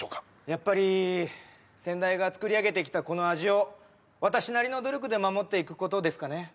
やっぱり先代が作り上げてきたこの味を私なりの努力で守っていくことですかね